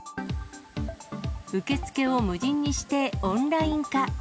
受付を無人にして、オンライン化。